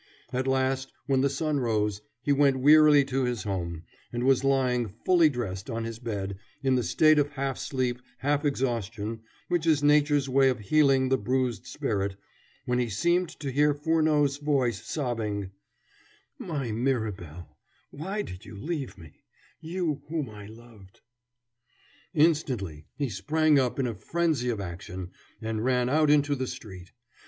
At last, when the sun rose, he went wearily to his home, and was lying, fully dressed, on his bed, in the state of half sleep, half exhaustion, which is nature's way of healing the bruised spirit, when he seemed to hear Furneaux's voice sobbing: "My Mirabel, why did you leave me, you whom I loved!" Instantly he sprang up in a frenzy of action, and ran out into the street.